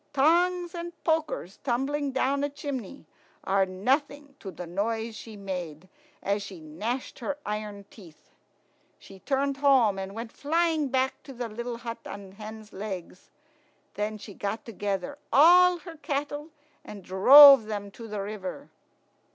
Tongs and pokers tumbling down a chimney are nothing to the noise she made as she gnashed her iron teeth. She turned home, and went flying back to the little hut on hen's legs. Then she got together all her cattle and drove them to the river.